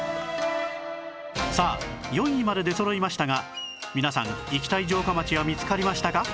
さあ４位まで出そろいましたが皆さん行きたい城下町は見つかりましたか？